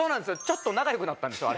ちょっと仲良くなったんですよ